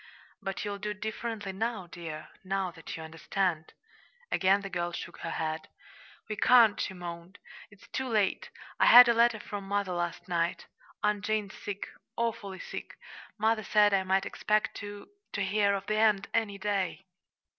"But you'll do differently now, dear, now that you understand." Again the girl shook her head. "We can't," she moaned. "It's too late. I had a letter from mother last night. Aunt Jane's sick awfully sick. Mother said I might expect to to hear of the end any day."